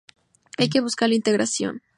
Hay que buscar la integración".